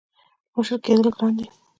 • مشر کېدل ګران دي.